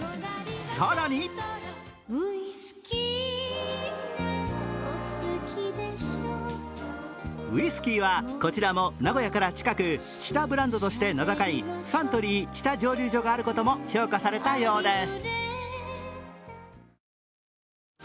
更にウイスキーはこちらも名古屋から近く知多ブランドとして名高いサントリー知多蒸溜所があることも評価されたようです。